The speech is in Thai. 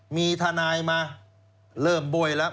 มีทนายมาเริ่มบ้วยแล้ว